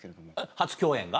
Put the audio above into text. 初共演が？